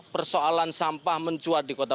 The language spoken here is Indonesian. persoalan sampah mencuat di kota